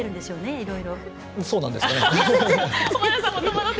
いろいろと。